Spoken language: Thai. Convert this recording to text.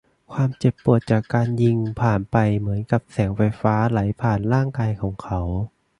ความเจ็บปวดจากการยิงผ่านไปเหมือนกับแสงไฟฟ้าไหลผ่านร่างกายของเขา